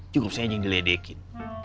cukup saya aja yang diledekin